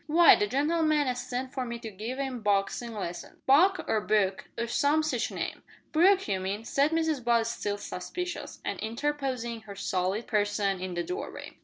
"W'y, the gen'leman as sent for me to give 'im boxin' lessons Buck or Book, or some sitch name." "Brooke, you mean," said Mrs Butt still suspicious, and interposing her solid person in the doorway.